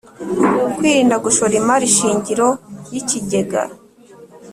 kwirinda gushora imari shingiro y ikigega